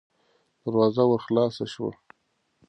دروازه ورو خلاصه شوه.